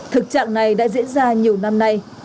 thực trạng này đã diễn ra nhiều năm nay